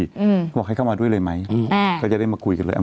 อืมบอกให้เข้ามาด้วยเลยไหมอืมอ่าก็จะได้มาคุยกันเลย